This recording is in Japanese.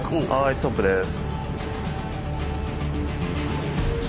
ストップです。